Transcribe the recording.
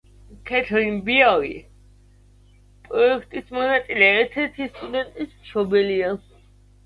ქეთრინ ბეარი პროექტის მონაწილე ერთ-ერთი სტუდენტის მშობელია.